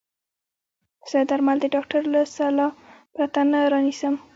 زه درمل د ډاکټر له سلا پرته نه رانيسم.